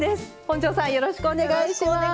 本上さんよろしくお願いします。